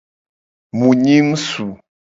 Mu nyi ngsu.